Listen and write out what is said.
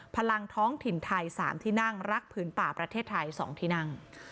พลังท้องถิ่นไทย๓ที่นั่งรักผืนป่าประเทศไทย๒ที่นั่ง